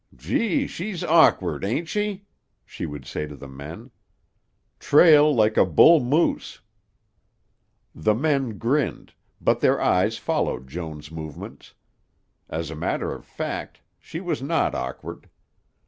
"Gee, she's awkward, ain't she?" she would say to the men; "trail like a bull moose!" The men grinned, but their eyes followed Joan's movements. As a matter of fact, she was not awkward.